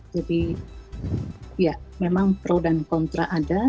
jadi ya memang pro dan kontra ada